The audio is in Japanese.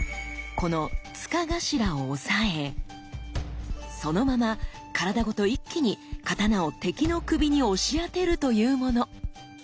この柄頭を押さえそのまま体ごと一気に刀を敵の首に押し当てるというもの。